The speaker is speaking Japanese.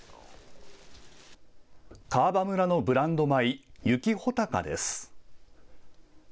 川場村のブランド米、雪ほたかです。